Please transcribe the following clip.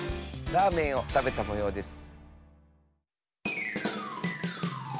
ラーメンをたべたもようです。